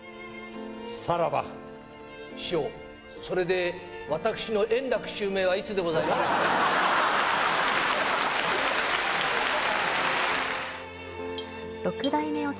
さらば師匠、それで私の円楽襲名はいつでございましょうか。